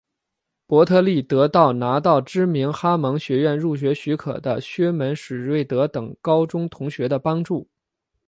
伯特利得到拿到知名哈蒙学院入学许可的薛门史瑞德等高中同学的帮助。